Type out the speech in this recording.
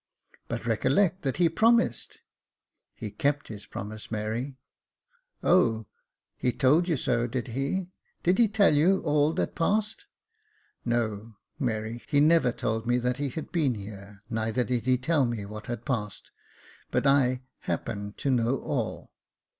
" But recollect that he promised." *' He kept his promise, Mary." *' O, he told you so, did he ? Did he tell you all that passed ?"" No, Mary, he never told me that he had been here ; neither did he tell me what had passed 5 but I happen to know all."